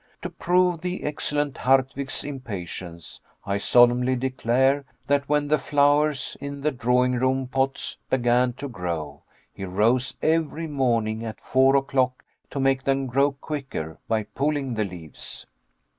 To prove the excellent Hardwigg's impatience, I solemnly declare that when the flowers in the drawing room pots began to grow, he rose every morning at four o'clock to make them grow quicker by pulling the leaves!